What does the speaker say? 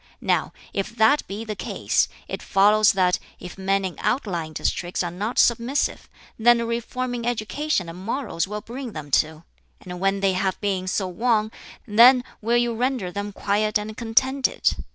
Now if that be the case, it follows that if men in outlying districts are not submissive, then a reform in education and morals will bring them to; and when they have been so won, then will you render them quiet and contented.